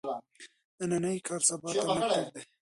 نننی کار سبا ته مه پریږدئ.